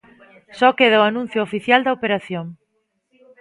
Só queda o anuncio oficial da operación.